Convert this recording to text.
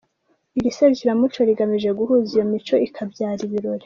Iri serukiramuco rigamije guhuza iyo mico ikabyara ibirori.